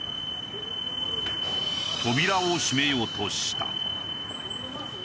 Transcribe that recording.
扉を閉めようとした。